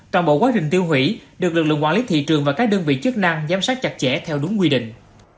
toàn bộ quá trình tiêu hủy được lực lượng quản lý thị trường và các đơn vị chức năng giám sát chặt chẽ theo đúng quy định